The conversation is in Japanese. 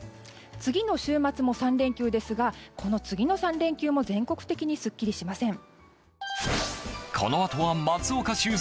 次の週末の３連休ですがこの次の３連休も全国的にすっきりしません。